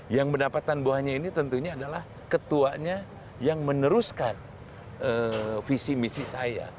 yang mendapatkan buahnya ini tentunya adalah ketuanya yang meneruskan visi misi saya